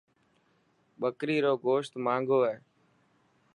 ٻڪري رو گوشت ماهنگو هي.